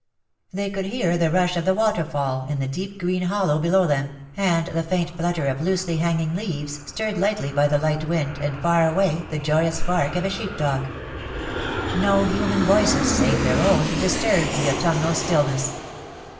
They could hear the rush of the waterfall in the deep green hollow below them, and the faint flutter of loosely hanging leaves, stirred lightly by the light wind, and far away the joyous bark of a sheep dog. No human voices, save their own, disturbed the autumnal stillness.